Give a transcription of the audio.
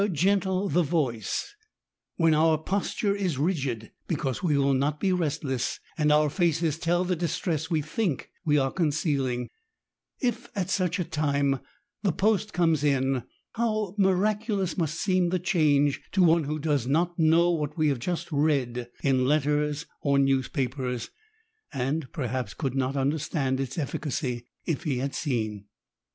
159 gentle the voice — ^when our posture is rigid, because we will not be restless, and our faces tell the distress we think we are concealing ; if, at such a time, the post comes in, how miraculous must seem the change to one who does not know what we have just read in letters or newspapers — and, perhaps, could not understand its efficacy, if he had seen.